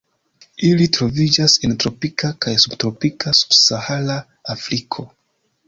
Ili troviĝas en tropika kaj subtropika sub-Sahara Afriko.